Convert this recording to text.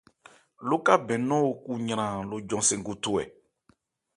Lókabɛn nɔ́n o ku yran lo jɔn-sɛn gothô ɛ ?